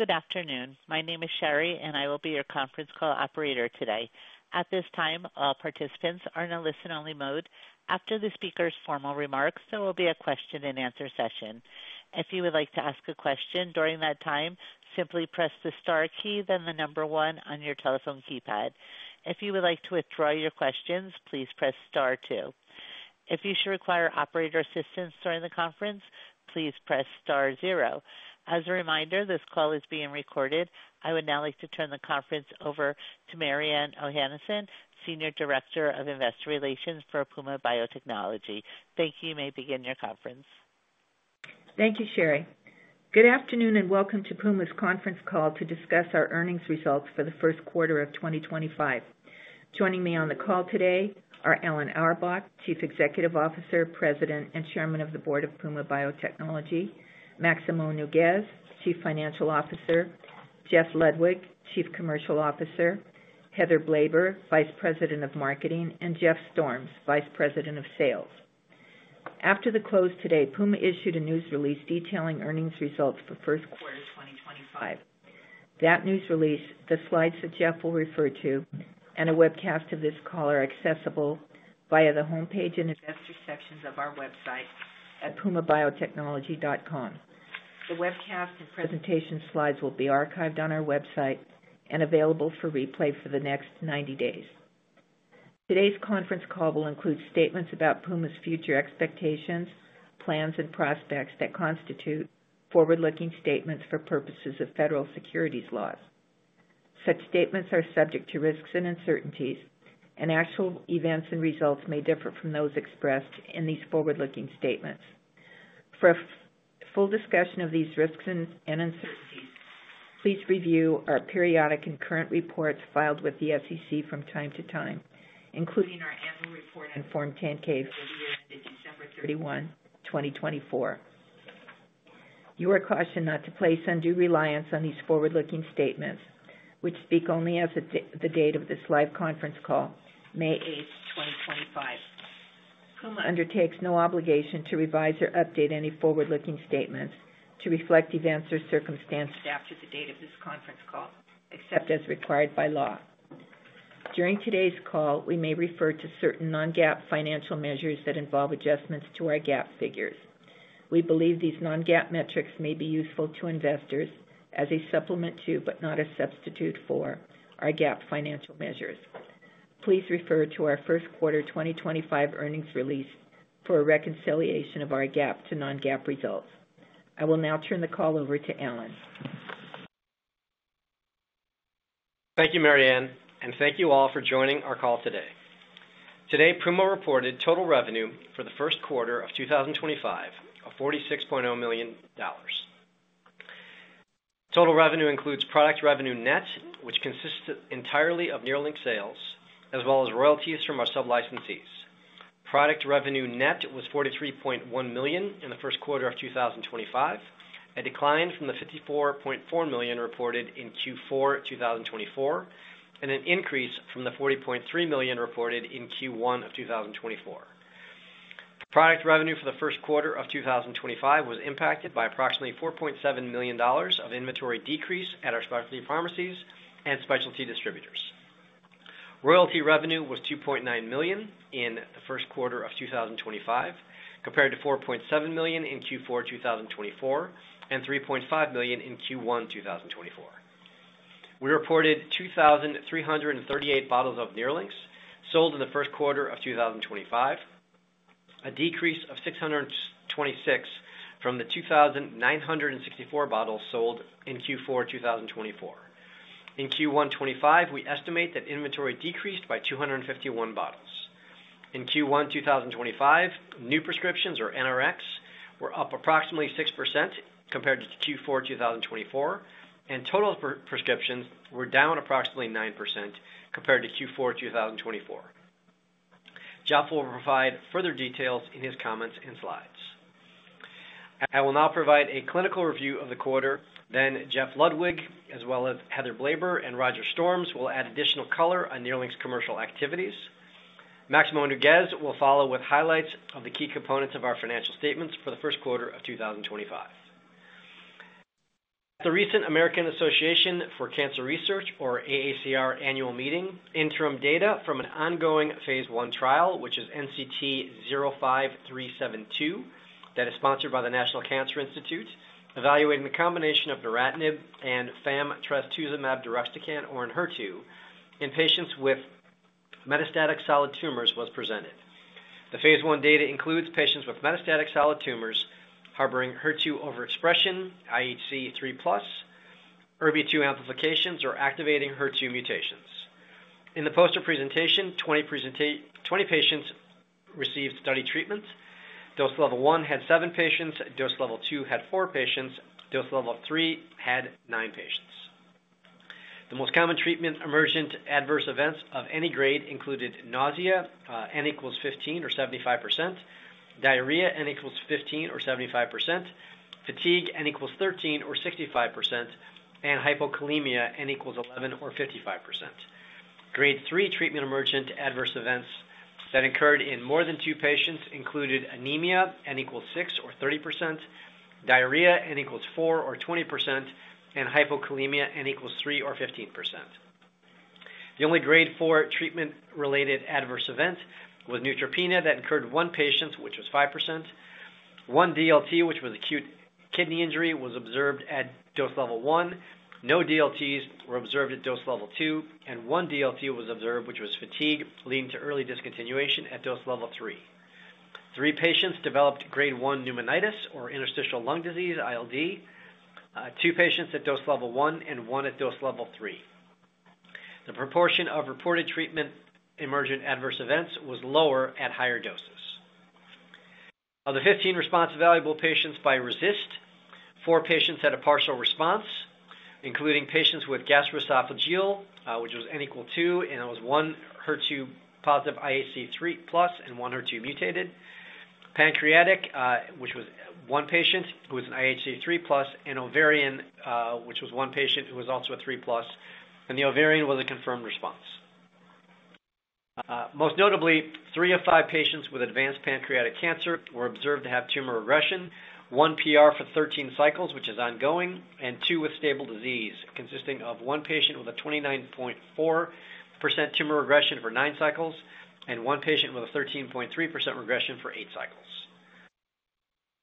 Good afternoon. My name is Sherry, and I will be your conference call operator today. At this time, all participants are in a listen-only mode. After the speaker's formal remarks, there will be a question-and-answer session. If you would like to ask a question during that time, simply press the star key, then the number one on your telephone keypad. If you would like to withdraw your questions, please press star two. If you should require operator assistance during the conference, please press star zero. As a reminder, this call is being recorded. I would now like to turn the conference over to Mariann Ohanesian, Senior Director of Investor Relations for Puma Biotechnology. Thank you. You may begin your conference. Thank you, Sherry. Good afternoon and welcome to Puma's Conference Call to discuss our earnings results for the first quarter of 2025. Joining me on the call today are Alan Auerbach, Chief Executive Officer, President and Chairman of the Board of Puma Biotechnology, Maximo Nougues, Chief Financial Officer, Jeff Ludwig, Chief Commercial Officer, Heather Blaber, Vice President of Marketing, and Roger Storms, Vice President of Sales. After the close today, Puma issued a news release detailing earnings results for the first quarter of 2025. That news release, the slides that Jeff will refer to, and a webcast of this call are accessible via the homepage and investor sections of our website at pumabiotechnology.com. The webcast and presentation slides will be archived on our website and available for replay for the next 90 days. Today's conference call will include statements about Puma's future expectations, plans, and prospects that constitute forward-looking statements for purposes of federal securities laws. Such statements are subject to risks and uncertainties, and actual events and results may differ from those expressed in these forward-looking statements. For a full discussion of these risks and uncertainties, please review our periodic and current reports filed with the SEC from time to time, including our annual report on Form 10-K for the year ended December 31, 2024. You are cautioned not to place undue reliance on these forward-looking statements, which speak only as of the date of this live conference call, May 8, 2025. Puma undertakes no obligation to revise or update any forward-looking statements to reflect events or circumstances after the date of this conference call, except as required by law. During today's call, we may refer to certain non-GAAP financial measures that involve adjustments to our GAAP figures. We believe these non-GAAP metrics may be useful to investors as a supplement to, but not a substitute for, our GAAP financial measures. Please refer to our first quarter 2025 earnings release for a reconciliation of our GAAP to non-GAAP results. I will now turn the call over to Alan. Thank you, Mariann, and thank you all for joining our call today. Today, Puma reported total revenue for the first quarter of 2025 of $46.0 million. Total revenue includes product revenue net, which consists entirely of NERLYNX sales, as well as royalties from our sub-licensees. Product revenue net was $43.1 million in the first quarter of 2025, a decline from the $54.4 million reported in Q4 2024, and an increase from the $40.3 million reported in Q1 of 2024. Product revenue for the first quarter of 2025 was impacted by approximately $4.7 million of inventory decrease at our specialty pharmacies and specialty distributors. Royalty revenue was $2.9 million in the first quarter of 2025, compared to $4.7 million in Q4 2024 and $3.5 million in Q1 2024. We reported 2,338 bottles of NERLYNX sold in the first quarter of 2025, a decrease of 626 from the 2,964 bottles sold in Q4 2024. In Q1 2025, we estimate that inventory decreased by 251 bottles. In Q1 2025, new prescriptions, or NRx, were up approximately 6% compared to Q4 2024, and total prescriptions were down approximately 9% compared to Q4 2024. Jeff will provide further details in his comments and slides. I will now provide a clinical review of the quarter. Jeff Ludwig, as well as Heather Blaber and Roger Storms, will add additional color on NERLYNX commercial activities. Maximo Nougues will follow with highlights of the key components of our financial statements for the first quarter of 2025. At the recent American Association for Cancer Research, or AACR, annual meeting, interim data from an ongoing phase one trial, which is NCT05372, that is sponsored by the National Cancer Institute, evaluating the combination of neratinib and fam-trastuzumab deruxtecan, or in HER2, in patients with metastatic solid tumors was presented. The phase one data includes patients with metastatic solid tumors harboring HER2 overexpression, IHC3+, IRB2 amplifications, or activating HER2 mutations. In the poster presentation, 20 patients received study treatment. Dose level one had seven patients. Dose level two had four patients. Dose level three had nine patients. The most common treatment emergent adverse events of any grade included nausea, N equals 15 or 75%, diarrhea, N equals 15 or 75%, fatigue, N equals 13 or 65%, and hypokalemia, N equals 11 or 55%. Grade three treatment emergent adverse events that occurred in more than two patients included anemia, N equals 6 or 30%, diarrhea, N equals 4 or 20%, and hypokalemia, N equals 3 or 15%. The only grade four treatment-related adverse event was neutropenia that occurred in one patient, which was 5%. One DLT, which was acute kidney injury, was observed at dose level one. No DLTs were observed at dose level two, and one DLT was observed, which was fatigue, leading to early discontinuation at dose level three. Three patients developed grade one pneumonitis, or interstitial lung disease, ILD. Two patients at dose level one and one at dose level three. The proportion of reported treatment emergent adverse events was lower at higher doses. Of the 15 response-available patients by RECIST, four patients had a partial response, including patients with gastroesophageal, which was N equal 2, and it was one HER2-positive IHC3+ and one HER2 mutated. Pancreatic, which was one patient who was an IHC3+, and ovarian, which was one patient who was also a 3+, and the ovarian was a confirmed response. Most notably, three of five patients with advanced pancreatic cancer were observed to have tumor regression. One PR for 13 cycles, which is ongoing, and two with stable disease, consisting of one patient with a 29.4% tumor regression for nine cycles and one patient with a 13.3% regression for eight cycles.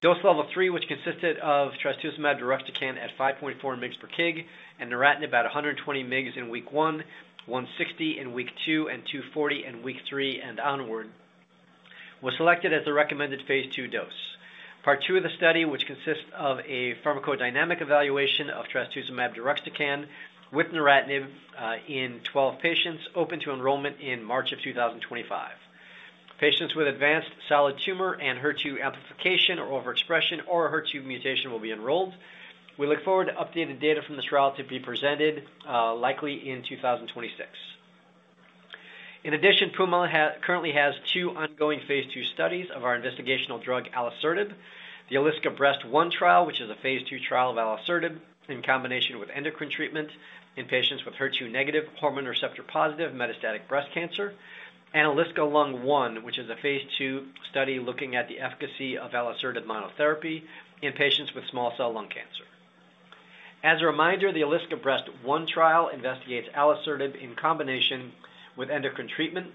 Dose level three, which consisted of trastuzumab deruxtecan at 5.4 mg per kg and neratinib about 120 mg in week one, 160 in week two, and 240 in week three and onward, was selected as the recommended phase two dose. Part two of the study, which consists of a pharmacodynamic evaluation of trastuzumab deruxtecan with neratinib in 12 patients, opened to enrollment in March of 2025. Patients with advanced solid tumor and HER2 amplification or overexpression or HER2 mutation will be enrolled. We look forward to updated data from this trial to be presented likely in 2026. In addition, Puma currently has two ongoing phase two studies of our investigational drug alisertib, the ALISKA Breast I trial, which is a phase two trial of alisertib in combination with endocrine treatment in patients with HER2 negative, hormone receptor positive, metastatic breast cancer, and ALISKA Lung I, which is a phase two study looking at the efficacy of alisertib monotherapy in patients with small cell lung cancer. As a reminder, the ALISKA Breast I trial investigates alisertib in combination with endocrine treatment,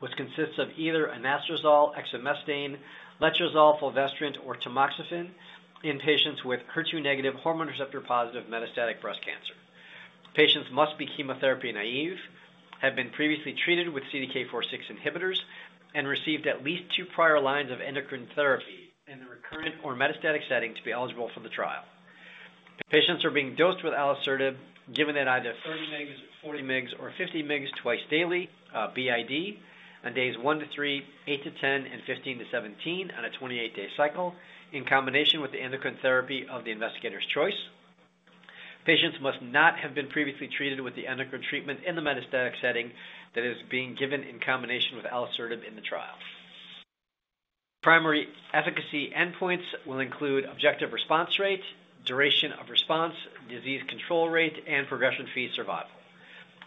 which consists of either anastrozole, exemestane, letrozole, fulvestrant, or tamoxifen in patients with HER2 negative, hormone receptor positive, metastatic breast cancer. Patients must be chemotherapy naive, have been previously treated with CDK4/6 inhibitors, and received at least two prior lines of endocrine therapy in the recurrent or metastatic setting to be eligible for the trial. Patients are being dosed with alisertib given at either 30 mg, 40 mg, or 50 mg twice daily, BID, on days one to three, eight to ten, and 15 to 17 on a 28-day cycle, in combination with the endocrine therapy of the investigator's choice. Patients must not have been previously treated with the endocrine treatment in the metastatic setting that is being given in combination with alisertib in the trial. Primary efficacy endpoints will include objective response rate, duration of response, disease control rate, and progression-free survival.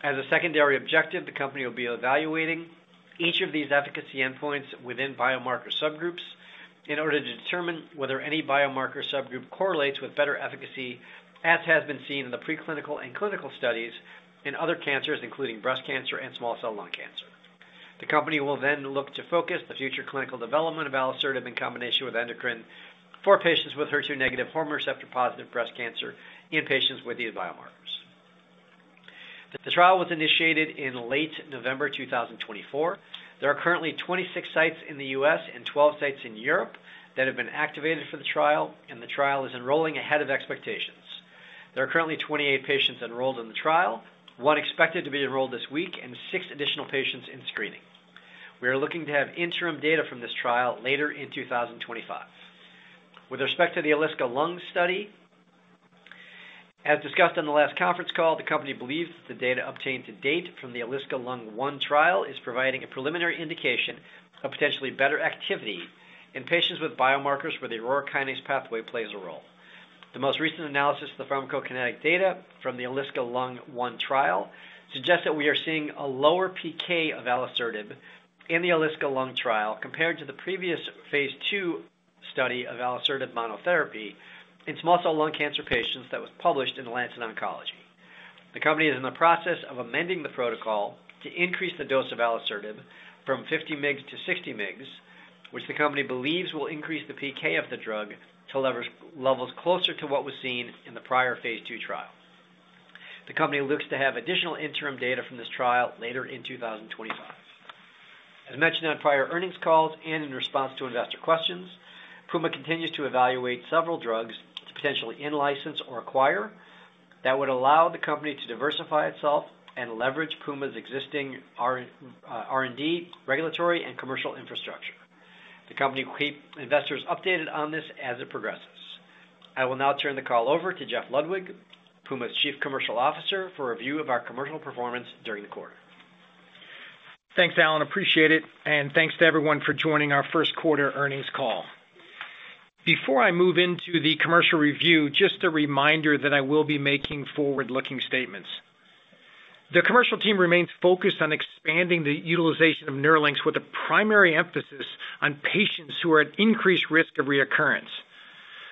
As a secondary objective, the company will be evaluating each of these efficacy endpoints within biomarker subgroups in order to determine whether any biomarker subgroup correlates with better efficacy, as has been seen in the preclinical and clinical studies in other cancers, including breast cancer and small cell lung cancer. The company will then look to focus the future clinical development of alisertib in combination with endocrine for patients with HER2 negative, hormone receptor positive breast cancer in patients with these biomarkers. The trial was initiated in late November 2024. There are currently 26 sites in the U.S. and 12 sites in Europe that have been activated for the trial, and the trial is enrolling ahead of expectations. There are currently 28 patients enrolled in the trial, one expected to be enrolled this week, and six additional patients in screening. We are looking to have interim data from this trial later in 2025. With respect to the ALISKA Lung study, as discussed in the last conference call, the company believes that the data obtained to date from the ALISKA Lung I trial is providing a preliminary indication of potentially better activity in patients with biomarkers where the urokinase pathway plays a role. The most recent analysis of the pharmacokinetic data from the ALISKA Lung I trial suggests that we are seeing a lower PK of alisertib in the ALISKA Lung trial compared to the previous phase II study of alisertib monotherapy in small cell lung cancer patients that was published in Lancet Oncology. The company is in the process of amending the protocol to increase the dose of alisertib from 50 mg to 60 mg, which the company believes will increase the PK of the drug to levels closer to what was seen in the prior phase two trial. The company looks to have additional interim data from this trial later in 2025. As mentioned on prior earnings calls and in response to investor questions, Puma continues to evaluate several drugs to potentially in-license or acquire that would allow the company to diversify itself and leverage Puma's existing R&D, regulatory, and commercial infrastructure. The company will keep investors updated on this as it progresses. I will now turn the call over to Jeff Ludwig, Puma's Chief Commercial Officer, for review of our commercial performance during the quarter. Thanks, Alan. Appreciate it. Thanks to everyone for joining our first quarter earnings call. Before I move into the commercial review, just a reminder that I will be making forward-looking statements. The commercial team remains focused on expanding the utilization of NERLYNX with a primary emphasis on patients who are at increased risk of recurrence.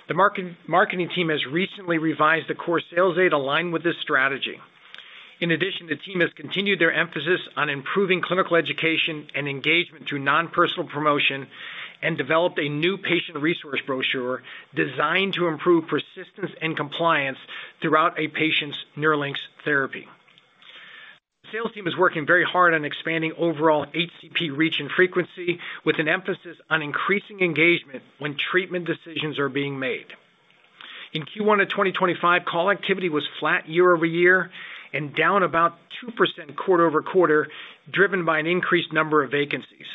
The marketing team has recently revised the core sales aid aligned with this strategy. In addition, the team has continued their emphasis on improving clinical education and engagement through non-personal promotion and developed a new patient resource brochure designed to improve persistence and compliance throughout a patient's NERLYNX therapy. The sales team is working very hard on expanding overall HCP reach and frequency with an emphasis on increasing engagement when treatment decisions are being made. In Q1 of 2025, call activity was flat year over year and down about 2% quarter over quarter, driven by an increased number of vacancies.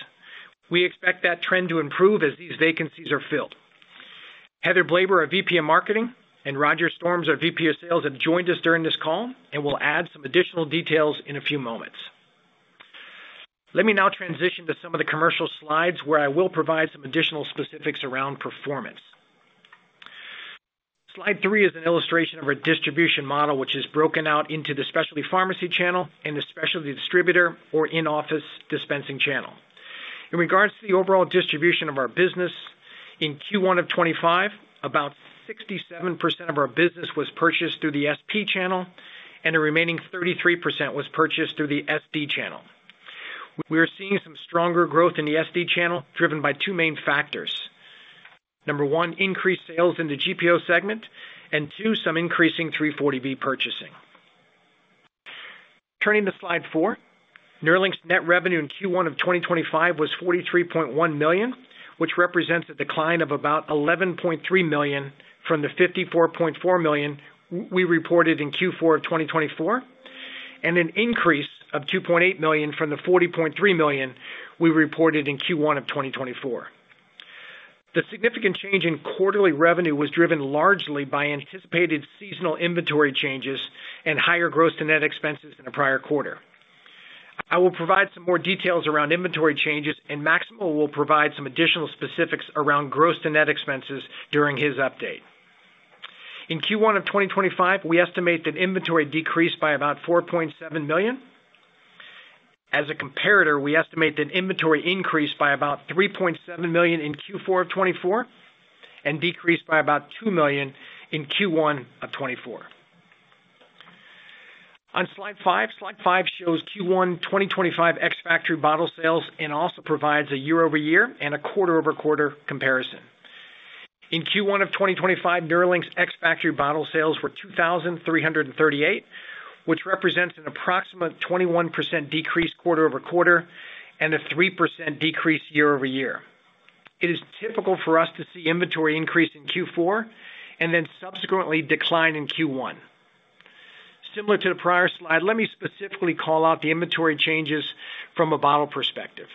We expect that trend to improve as these vacancies are filled. Heather Blaber, our VP of Marketing, and Roger Storms, our VP of Sales, have joined us during this call and will add some additional details in a few moments. Let me now transition to some of the commercial slides where I will provide some additional specifics around performance. Slide three is an illustration of our distribution model, which is broken out into the specialty pharmacy channel and the specialty distributor or in-office dispensing channel. In regards to the overall distribution of our business, in Q1 of 2025, about 67% of our business was purchased through the SP channel, and the remaining 33% was purchased through the SD channel. We are seeing some stronger growth in the SD channel driven by two main factors. Number one, increased sales in the GPO segment, and two, some increasing 340B purchasing. Turning to slide four, NERLYNX net revenue in Q1 of 2025 was $43.1 million, which represents a decline of about $11.3 million from the $54.4 million we reported in Q4 of 2024, and an increase of $2.8 million from the $40.3 million we reported in Q1 of 2024. The significant change in quarterly revenue was driven largely by anticipated seasonal inventory changes and higher gross and net expenses in a prior quarter. I will provide some more details around inventory changes, and Maximo will provide some additional specifics around gross and net expenses during his update. In Q1 of 2025, we estimate that inventory decreased by about $4.7 million. As a comparator, we estimate that inventory increased by about $3.7 million in Q4 of 2024 and decreased by about $2 million in Q1 of 2024. On slide five, slide five shows Q1 2025 NERLYNX bottle sales and also provides a year-over-year and a quarter-over-quarter comparison. In Q1 of 2025, NERLYNX bottle sales were 2,338, which represents an approximate 21% decrease quarter-over-quarter and a 3% decrease year-over-year. It is typical for us to see inventory increase in Q4 and then subsequently decline in Q1. Similar to the prior slide, let me specifically call out the inventory changes from a bottle perspective.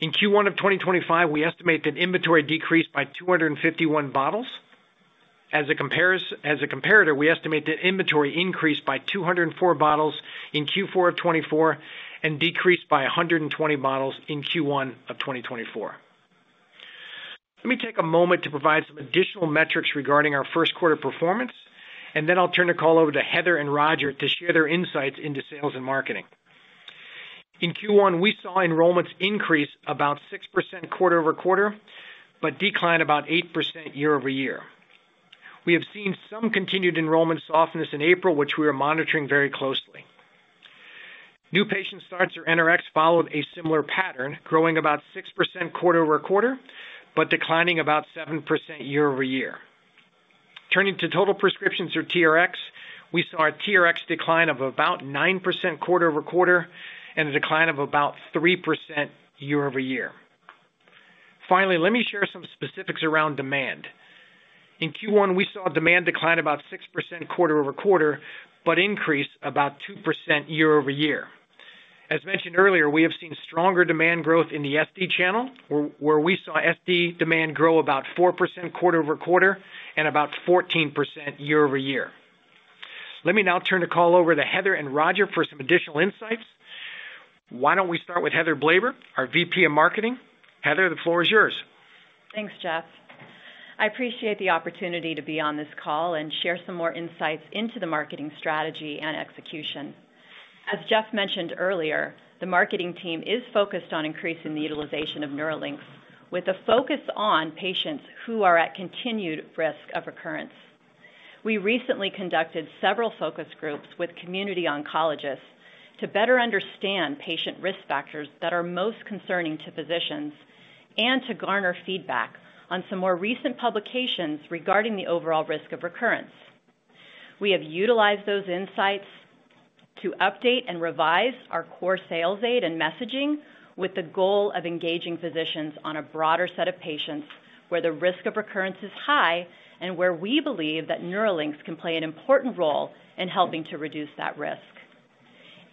In Q1 of 2025, we estimate that inventory decreased by 251 bottles. As a comparator, we estimate that inventory increased by 204 bottles in Q4 of 2024 and decreased by 120 bottles in Q1 of 2024. Let me take a moment to provide some additional metrics regarding our first quarter performance, and then I'll turn the call over to Heather and Roger to share their insights into sales and marketing. In Q1, we saw enrollments increase about 6% quarter-over-quarter but decline about 8% year-over-year. We have seen some continued enrollment softness in April, which we are monitoring very closely. New patient starts or NRx followed a similar pattern, growing about 6% quarter-over-quarter but declining about 7% year-over-year. Turning to total prescriptions or TRX, we saw a TRX decline of about 9% quarter-over-quarter and a decline of about 3% year-over-year. Finally, let me share some specifics around demand. In Q1, we saw demand decline about 6% quarter-over-quarter but increase about 2% year-over-year. As mentioned earlier, we have seen stronger demand growth in the SD channel, where we saw SD demand grow about 4% quarter-over-quarter and about 14% year-over-year. Let me now turn the call over to Heather and Roger for some additional insights. Why don't we start with Heather Blaber, our VP of Marketing? Heather, the floor is yours. Thanks, Jeff. I appreciate the opportunity to be on this call and share some more insights into the marketing strategy and execution. As Jeff mentioned earlier, the marketing team is focused on increasing the utilization of NERLYNX with a focus on patients who are at continued risk of recurrence. We recently conducted several focus groups with community oncologists to better understand patient risk factors that are most concerning to physicians and to garner feedback on some more recent publications regarding the overall risk of recurrence. We have utilized those insights to update and revise our core sales aid and messaging with the goal of engaging physicians on a broader set of patients where the risk of recurrence is high and where we believe that NERLYNX can play an important role in helping to reduce that risk.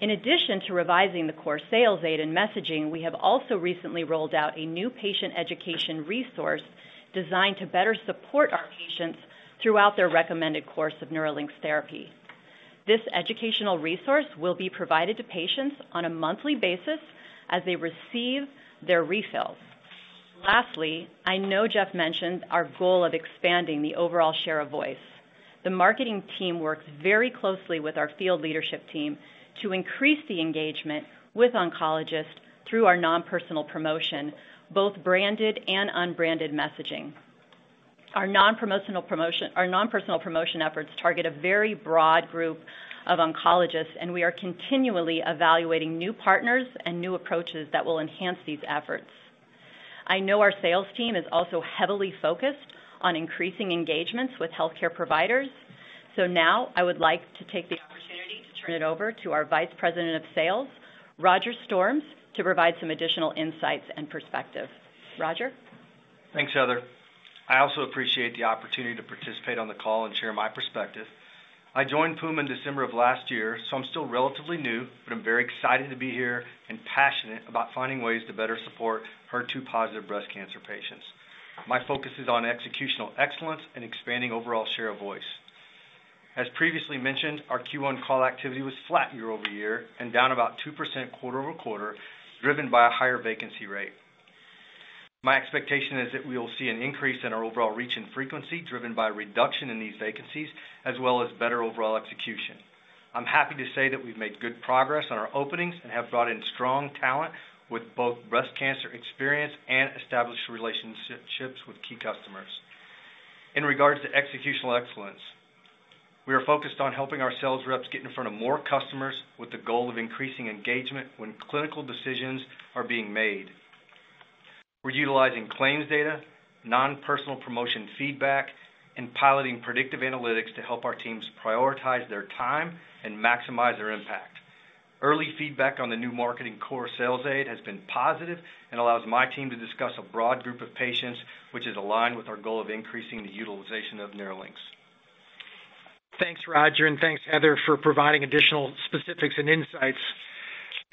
In addition to revising the core sales aid and messaging, we have also recently rolled out a new patient education resource designed to better support our patients throughout their recommended course of NERLYNX therapy. This educational resource will be provided to patients on a monthly basis as they receive their refills. Lastly, I know Jeff mentioned our goal of expanding the overall share of voice. The marketing team works very closely with our field leadership team to increase the engagement with oncologists through our non-personal promotion, both branded and unbranded messaging. Our non-personal promotion efforts target a very broad group of oncologists, and we are continually evaluating new partners and new approaches that will enhance these efforts. I know our sales team is also heavily focused on increasing engagements with healthcare providers, so now I would like to take the opportunity to turn it over to our Vice President of Sales, Roger Storms, to provide some additional insights and perspective. Roger. Thanks, Heather. I also appreciate the opportunity to participate on the call and share my perspective. I joined Puma in December of last year, so I'm still relatively new, but I'm very excited to be here and passionate about finding ways to better support HER2-positive breast cancer patients. My focus is on executional excellence and expanding overall share of voice. As previously mentioned, our Q1 call activity was flat year-over-year and down about 2% quarter-over-quarter, driven by a higher vacancy rate. My expectation is that we will see an increase in our overall reach and frequency, driven by a reduction in these vacancies, as well as better overall execution. I'm happy to say that we've made good progress on our openings and have brought in strong talent with both breast cancer experience and established relationships with key customers. In regards to executional excellence, we are focused on helping our sales reps get in front of more customers with the goal of increasing engagement when clinical decisions are being made. We're utilizing claims data, non-personal promotion feedback, and piloting predictive analytics to help our teams prioritize their time and maximize their impact. Early feedback on the new marketing core sales aid has been positive and allows my team to discuss a broad group of patients, which is aligned with our goal of increasing the utilization of NERLYNX. Thanks, Roger, and thanks, Heather, for providing additional specifics and insights.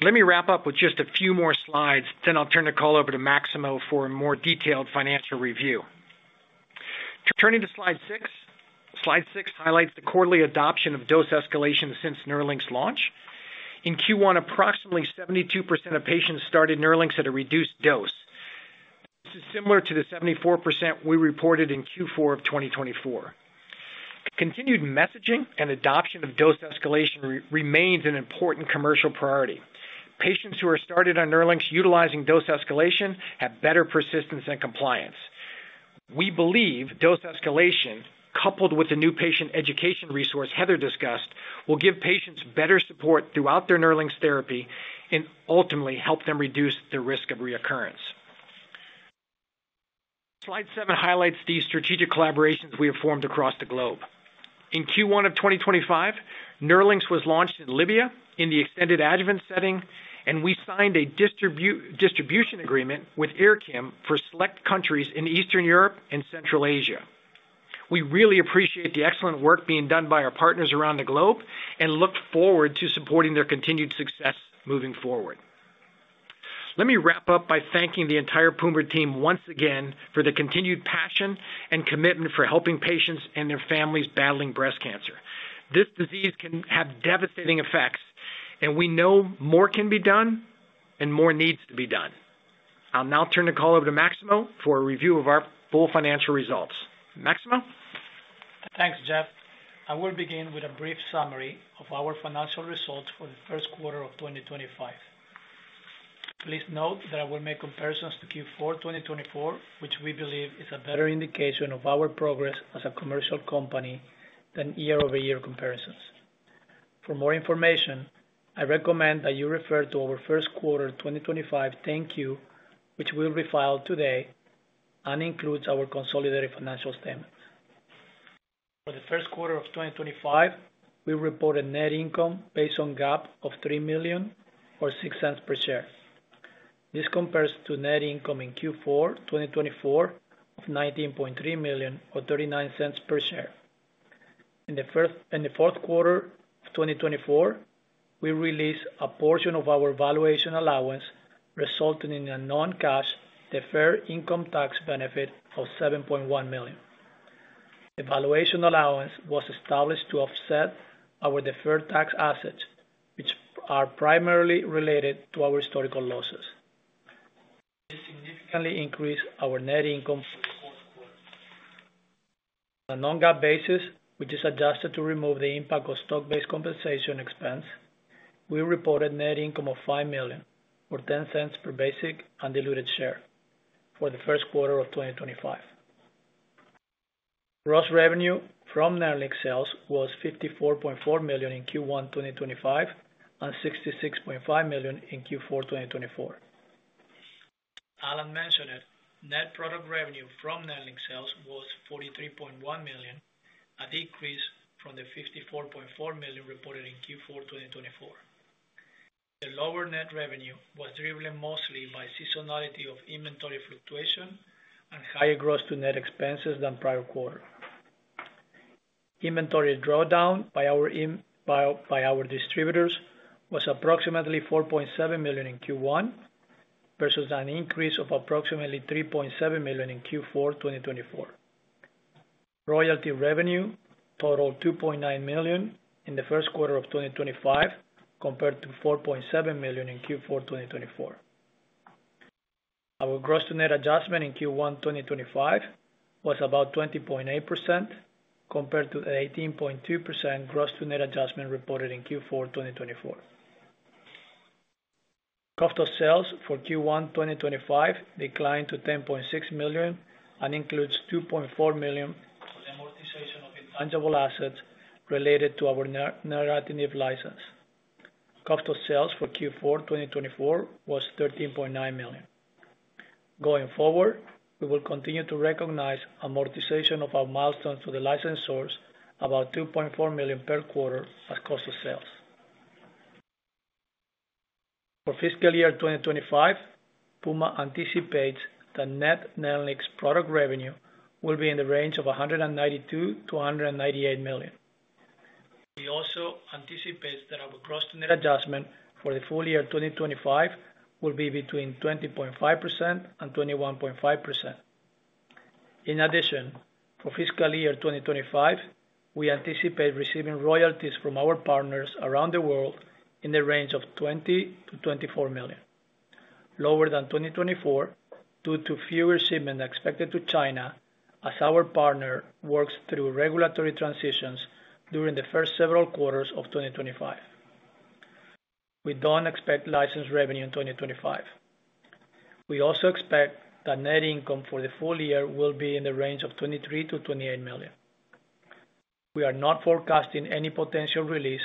Let me wrap up with just a few more slides, then I'll turn the call over to Maximo for a more detailed financial review. Turning to slide six, slide six highlights the quarterly adoption of dose escalation since NERLYNX's launch. In Q1, approximately 72% of patients started NERLYNX at a reduced dose. This is similar to the 74% we reported in Q4 of 2024. Continued messaging and adoption of dose escalation remains an important commercial priority. Patients who are started on NERLYNX utilizing dose escalation have better persistence and compliance. We believe dose escalation, coupled with the new patient education resource Heather discussed, will give patients better support throughout their NERLYNX therapy and ultimately help them reduce the risk of recurrence. Slide seven highlights the strategic collaborations we have formed across the globe. In Q1 of 2025, NERLYNX was launched in Libya in the extended adjuvant setting, and we signed a distribution agreement with Ircam for select countries in Eastern Europe and Central Asia. We really appreciate the excellent work being done by our partners around the globe and look forward to supporting their continued success moving forward. Let me wrap up by thanking the entire Puma team once again for the continued passion and commitment for helping patients and their families battling breast cancer. This disease can have devastating effects, and we know more can be done and more needs to be done. I'll now turn the call over to Maximo for a review of our full financial results. Maximo? Thanks, Jeff. I will begin with a brief summary of our financial results for the first quarter of 2025. Please note that I will make comparisons to Q4 2024, which we believe is a better indication of our progress as a commercial company than year-over-year comparisons. For more information, I recommend that you refer to our first quarter 2025 10Q, which we'll refile today and includes our consolidated financial statements. For the first quarter of 2025, we reported net income based on GAAP of $3 million or $0.06 per share. This compares to net income in Q4 2024 of $19.3 million or $0.39 per share. In the fourth quarter of 2024, we released a portion of our valuation allowance, resulting in a non-cash deferred income tax benefit of $7.1 million. The valuation allowance was established to offset our deferred tax assets, which are primarily related to our historical losses. This significantly increased our net income. On a non-GAAP basis, which is adjusted to remove the impact of stock-based compensation expense, we reported net income of $5 million or $0.10 per basic undiluted share for the first quarter of 2025. Gross revenue from NERLYNX sales was $54.4 million in Q1 2025 and $66.5 million in Q4 2024. Alan mentioned it. Net product revenue from NERLYNX sales was $43.1 million, a decrease from the $54.4 million reported in Q4 2024. The lower net revenue was driven mostly by the seasonality of inventory fluctuation and higher gross-to-net expenses than prior quarter. Inventory drawdown by our distributors was approximately $4.7 million in Q1 versus an increase of approximately $3.7 million in Q4 2024. Royalty revenue totaled $2.9 million in the first quarter of 2025 compared to $4.7 million in Q4 2024. Our gross-to-net adjustment in Q1 2025 was about 20.8% compared to the 18.2% gross-to-net adjustment reported in Q4 2024. Cost of sales for Q1 2025 declined to $10.6 million and includes $2.4 million for the amortization of intangible assets related to our neratinib license. Cost of sales for Q4 2024 was $13.9 million. Going forward, we will continue to recognize amortization of our milestones to the license source, about $2.4 million per quarter, as cost of sales. For fiscal year 2025, Puma anticipates that net neratinib product revenue will be in the range of $192 million-$198 million. We also anticipate that our gross-to-net adjustment for the full year 2025 will be between 20.5% and 21.5%. In addition, for fiscal year 2025, we anticipate receiving royalties from our partners around the world in the range of $20 million-$24 million, lower than 2024 due to fewer shipments expected to China as our partner works through regulatory transitions during the first several quarters of 2025. We do not expect license revenue in 2025. We also expect that net income for the full year will be in the range of $23 million-$28 million. We are not forecasting any potential release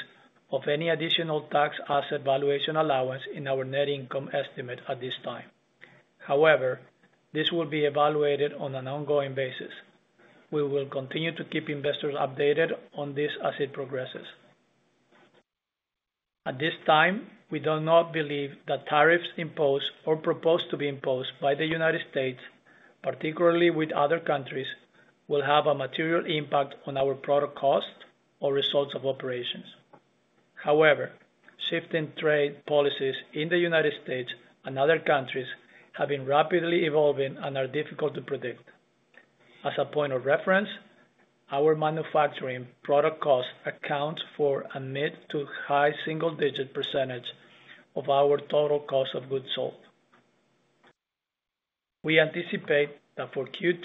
of any additional tax asset valuation allowance in our net income estimate at this time. However, this will be evaluated on an ongoing basis. We will continue to keep investors updated on these as it progresses. At this time, we do not believe that tariffs imposed or proposed to be imposed by the U.S., particularly with other countries, will have a material impact on our product cost or results of operations. However, shifting trade policies in the U.S. and other countries have been rapidly evolving and are difficult to predict. As a point of reference, our manufacturing product cost accounts for a mid to high single-digit percentage of our total cost of goods sold. We anticipate that for Q2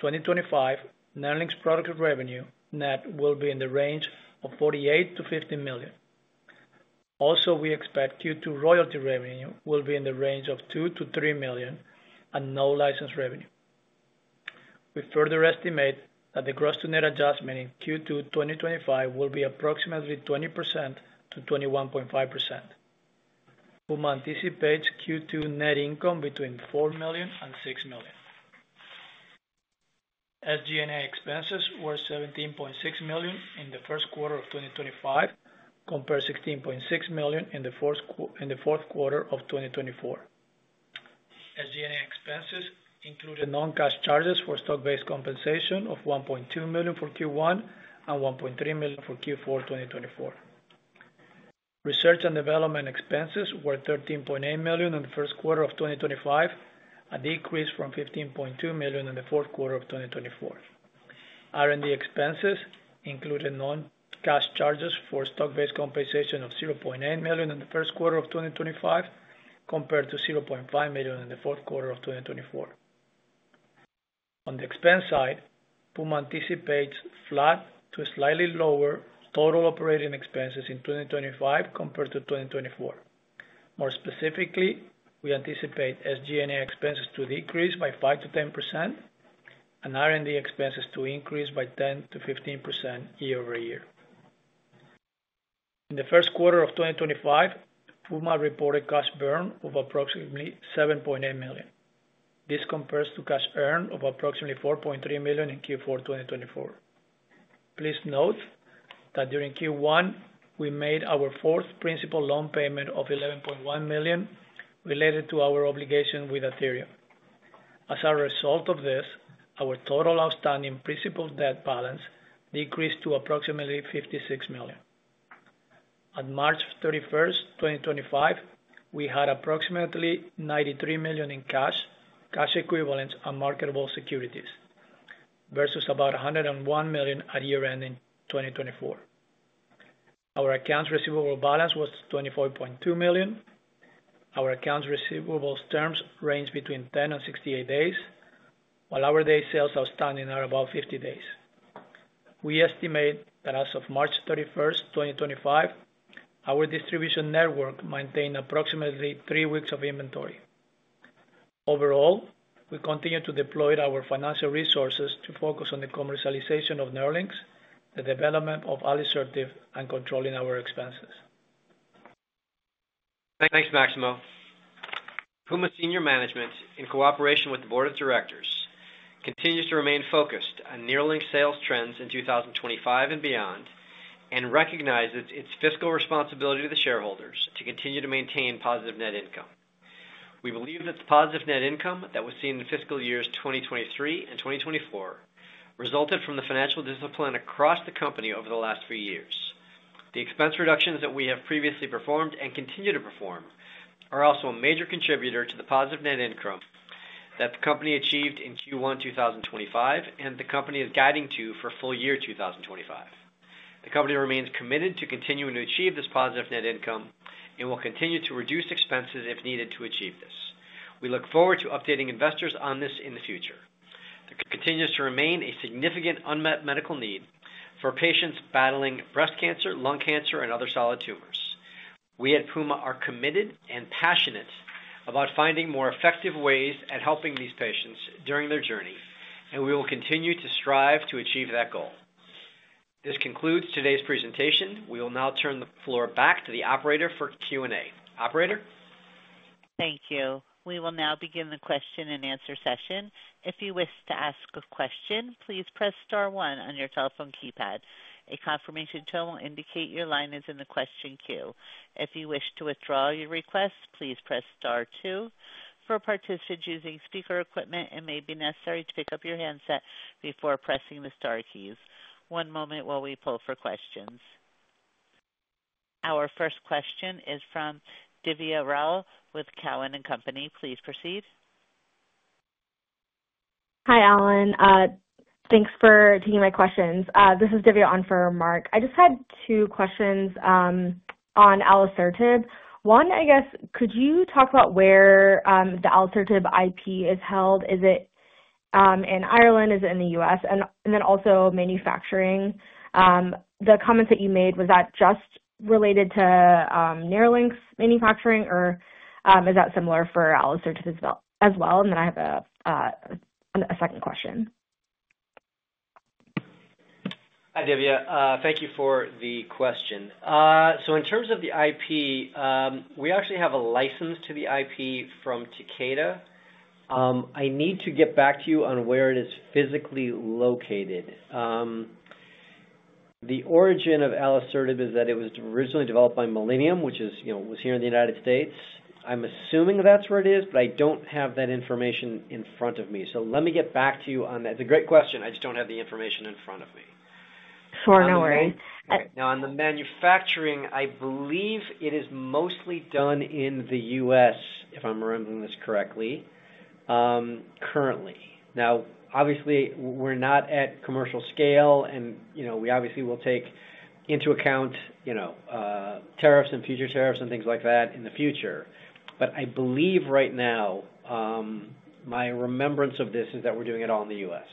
2025, NERLYNX product revenue net will be in the range of $48 million-$50 million. Also, we expect Q2 royalty revenue will be in the range of $2 million-$3 million and no license revenue. We further estimate that the gross-to-net adjustment in Q2 2025 will be approximately 20%-21.5%. Puma anticipates Q2 net income between $4 million and $6 million. SG&A expenses were $17.6 million in the first quarter of 2025 compared to $16.6 million in the fourth quarter of 2024. SG&A expenses included non-cash charges for stock-based compensation of $1.2 million for Q1 and $1.3 million for Q4 2024. Research and development expenses were $13.8 million in the first quarter of 2025, a decrease from $15.2 million in the fourth quarter of 2024. R&D expenses included non-cash charges for stock-based compensation of $0.8 million in the first quarter of 2025 compared to $0.5 million in the fourth quarter of 2024. On the expense side, Puma anticipates flat to slightly lower total operating expenses in 2025 compared to 2024. More specifically, we anticipate SG&A expenses to decrease by 5-10% and R&D expenses to increase by 10-15% year-over-year. In the first quarter of 2025, Puma reported cash burn of approximately $7.8 million. This compares to cash earned of approximately $4.3 million in Q4 2024. Please note that during Q1, we made our fourth principal loan payment of $11.1 million related to our obligation with Athyrium. As a result of this, our total outstanding principal debt balance decreased to approximately $56 million. On March 31st, 2025, we had approximately $93 million in cash, cash equivalents, and marketable securities versus about $101 million at year-end in 2024. Our accounts receivable balance was $25.2 million. Our accounts receivable terms ranged between 10-68 days, while our day sales outstanding are about 50 days. We estimate that as of March 31st, 2025, our distribution network maintained approximately three weeks of inventory. Overall, we continue to deploy our financial resources to focus on the commercialization of NERLYNX, the development of alisertib, and controlling our expenses. Thanks, Maximo. Puma Senior Management, in cooperation with the Board of Directors, continues to remain focused on NERLYNX sales trends in 2025 and beyond and recognizes its fiscal responsibility to the shareholders to continue to maintain positive net income. We believe that the positive net income that was seen in fiscal years 2023 and 2024 resulted from the financial discipline across the company over the last few years. The expense reductions that we have previously performed and continue to perform are also a major contributor to the positive net income that the company achieved in Q1 2025 and the company is guiding to for full year 2025. The company remains committed to continuing to achieve this positive net income and will continue to reduce expenses if needed to achieve this. We look forward to updating investors on this in the future. There continues to remain a significant unmet medical need for patients battling breast cancer, lung cancer, and other solid tumors. We at Puma are committed and passionate about finding more effective ways at helping these patients during their journey, and we will continue to strive to achieve that goal. This concludes today's presentation. We will now turn the floor back to the operator for Q&A. Operator? Thank you. We will now begin the question-and-answer session. If you wish to ask a question, please press star one on your telephone keypad. A confirmation tone will indicate your line is in the question queue. If you wish to withdraw your request, please press star two. For participants using speaker equipment, it may be necessary to pick up your handset before pressing the star keys. One moment while we pull for questions. Our first question is from Divya Rao with Cowen & Company. Please proceed. Hi, Alan. Thanks for taking my questions. This is Divya on for Mark. I just had two questions on alisertib. One, I guess, could you talk about where the alisertib IP is held? Is it in Ireland? Is it in the U.S.? Also, manufacturing. The comments that you made, was that just related to NERLYNX manufacturing, or is that similar for alisertib as well? I have a second question. Hi, Divya. Thank you for the question. In terms of the IP, we actually have a license to the IP from Takeda. I need to get back to you on where it is physically located. The origin of alisertib is that it was originally developed by Millennium, which was here in the United States. I'm assuming that's where it is, but I don't have that information in front of me. Let me get back to you on that. It's a great question. I just don't have the information in front of me. Sure. No worries. Now, on the manufacturing, I believe it is mostly done in the U.S., if I'm remembering this correctly, currently. Now, obviously, we're not at commercial scale, and we obviously will take into account tariffs and future tariffs and things like that in the future. I believe right now, my remembrance of this is that we're doing it all in the U.S.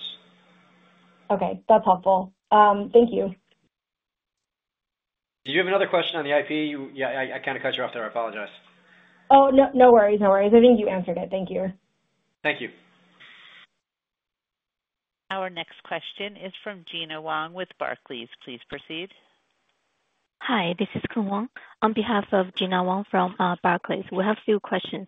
Okay. That's helpful. Thank you. Did you have another question on the IP? I kind of cut you off there. I apologize. Oh, no worries. No worries. I think you answered it. Thank you. Thank you. Our next question is from Gina Wong with Barclays. Please proceed. Hi. This is Khun Wong on behalf of Gina Wong from Barclays. We have a few questions.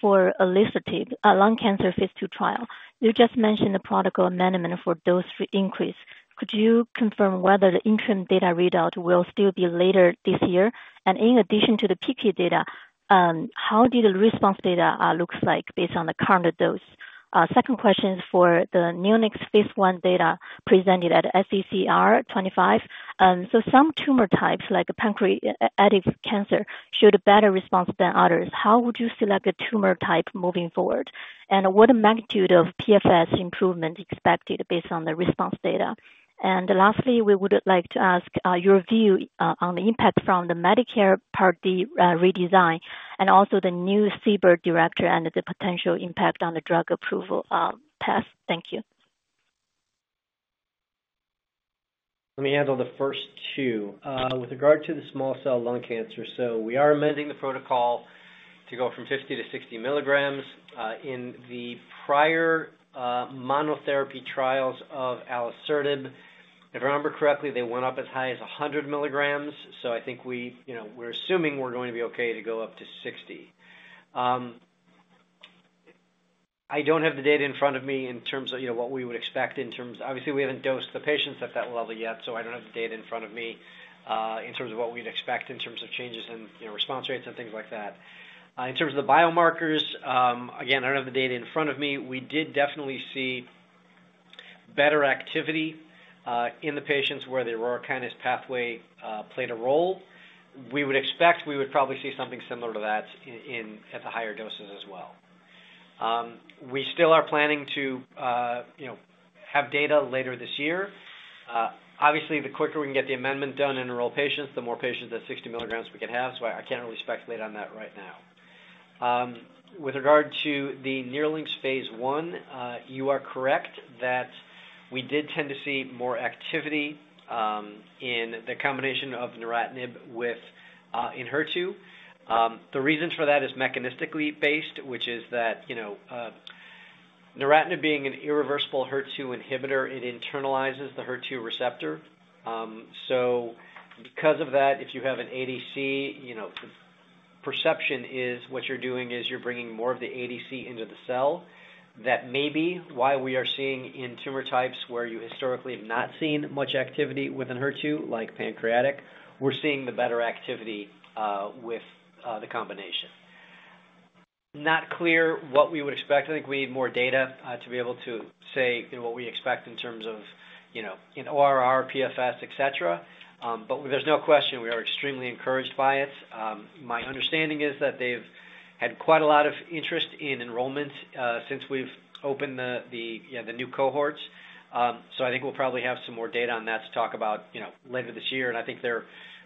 For alisertib, lung cancer phase two trial, you just mentioned the protocol amendment for dose increase. Could you confirm whether the interim data readout will still be later this year? In addition to the PK data, how did the response data look like based on the current dose? Second question is for the NERLYNX phase one data presented at AACR 2025. Some tumor types, like pancreatic cancer, showed a better response than others. How would you select a tumor type moving forward? What magnitude of PFS improvement is expected based on the response data? Lastly, we would like to ask your view on the impact from the Medicare Part D redesign and also the new CBER Director and the potential impact on the drug approval path. Thank you. Let me handle the first two. With regard to the small cell lung cancer, we are amending the protocol to go from 50 to 60 milligrams. In the prior monotherapy trials of alisertib, if I remember correctly, they went up as high as 100 milligrams. I think we're assuming we're going to be okay to go up to 60. I don't have the data in front of me in terms of what we would expect in terms of obviously, we haven't dosed the patients at that level yet, so I don't have the data in front of me in terms of what we'd expect in terms of changes in response rates and things like that. In terms of the biomarkers, again, I don't have the data in front of me. We did definitely see better activity in the patients where the aurora kinases pathway played a role. We would expect we would probably see something similar to that at the higher doses as well. We still are planning to have data later this year. Obviously, the quicker we can get the amendment done and enrolled patients, the more patients at 60 milligrams we can have. I can't really speculate on that right now. With regard to the NERLYNX phase I, you are correct that we did tend to see more activity in the combination of neratinib with Enhertu. The reasons for that is mechanistically based, which is that neratinib, being an irreversible HER2 inhibitor, it internalizes the HER2 receptor. Because of that, if you have an ADC, the perception is what you're doing is you're bringing more of the ADC into the cell. That may be why we are seeing in tumor types where you historically have not seen much activity with Enhertu, like pancreatic. We're seeing the better activity with the combination. Not clear what we would expect. I think we need more data to be able to say what we expect in terms of ORR, PFS, etc. There is no question. We are extremely encouraged by it. My understanding is that they've had quite a lot of interest in enrollment since we've opened the new cohorts. I think we'll probably have some more data on that to talk about later this year. I think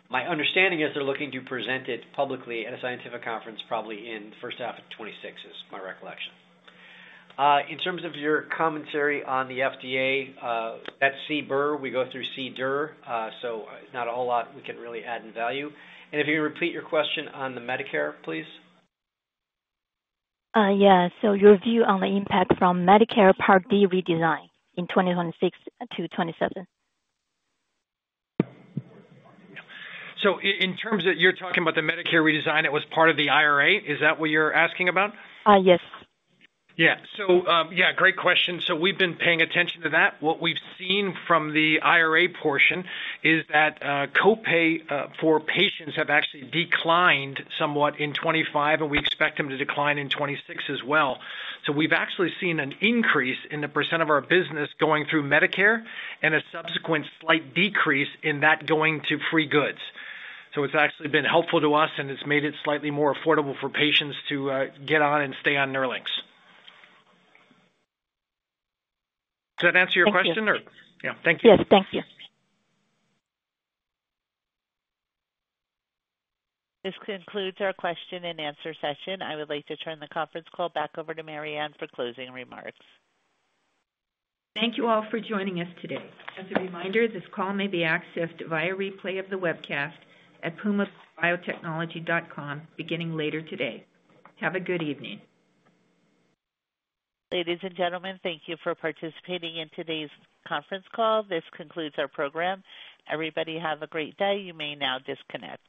my understanding is they're looking to present it publicly at a scientific conference probably in the first half of 2026, is my recollection. In terms of your commentary on the FDA, that's CBER. We go through CDER. Not a whole lot we can really add in value. If you can repeat your question on the Medicare, please. Yeah. So your view on the impact from Medicare Part D redesign in 2026 to 2027? In terms of you're talking about the Medicare redesign that was part of the IRA. Is that what you're asking about? Yes. Yeah. Yeah, great question. We've been paying attention to that. What we've seen from the IRA portion is that copay for patients have actually declined somewhat in 2025, and we expect them to decline in 2026 as well. We've actually seen an increase in the percentage of our business going through Medicare and a subsequent slight decrease in that going to free goods. It's actually been helpful to us, and it's made it slightly more affordable for patients to get on and stay on NERLYNX. Does that answer your question, or? Yes. Yeah. Thank you. Yes. Thank you. This concludes our question-and-answer session. I would like to turn the conference call back over to Mariann for closing remarks. Thank you all for joining us today. As a reminder, this call may be accessed via replay of the webcast at pumabiotechnology.com beginning later today. Have a good evening. Ladies and gentlemen, thank you for participating in today's conference call. This concludes our program. Everybody have a great day. You may now disconnect.